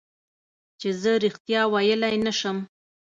چې زه رښتیا ویلی نه شم.